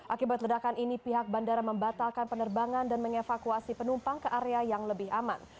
akibat ledakan ini pihak bandara membatalkan penerbangan dan mengevakuasi penumpang ke area yang lebih aman